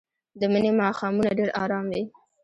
د مني ماښامونه ډېر ارام وي